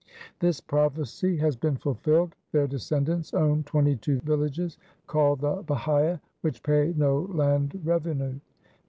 This prophecy has been fulfilled. Their descendants own twenty two villages called the Bahia, which pay no land revenue.